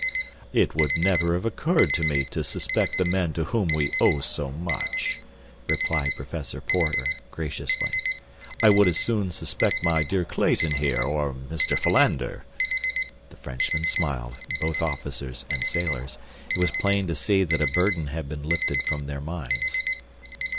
"It would never have occurred to me to suspect the men to whom we owe so much," replied Professor Porter, graciously. "I would as soon suspect my dear Clayton here, or Mr. Philander." The Frenchmen smiled, both officers and sailors. It was plain to see that a burden had been lifted from their minds.